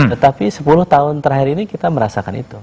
tetapi sepuluh tahun terakhir ini kita merasakan itu